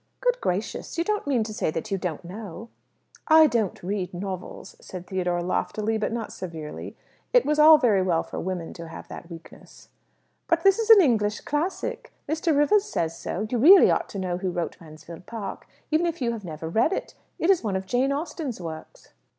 "Good gracious! You don't mean to say that you don't know?" "I don't read novels," said Theodore loftily, but not severely. It was all very well for women to have that weakness. "But this is an English classic! Mr. Rivers says so. You really ought to know who wrote 'Mansfield Park,' even if you have never read it. It is one of Jane Austen's works."